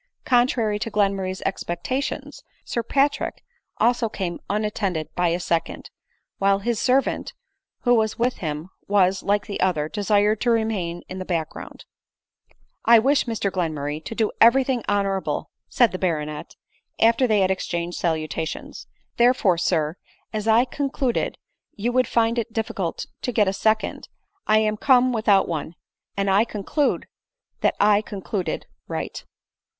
Contrary to Glenmurray's expectations, Sir Patrick also came unattended by a second ; while his servant, who was with him, was, like the other, desired to remain in the back ground. " I wish, Mr Glenmurray, to do everything honorable," said the baronet, after they had exchanged salutations ;" therefore, Sir, as I concluded you would find it difficult to get a second, I am come without one, and I conclude that I concluded right.